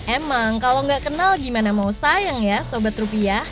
emang kalau nggak kenal gimana mau sayang ya sobat rupiah